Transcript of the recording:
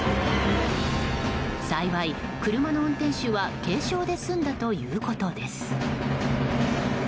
幸い、車の運転手は軽傷で済んだということです。